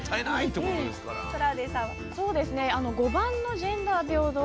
５番の「ジェンダー平等」。